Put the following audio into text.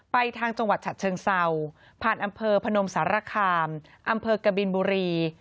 ทางจังหวัดฉัดเชิงเศร้าผ่านอำเภอพนมสารคามอำเภอกบินบุรี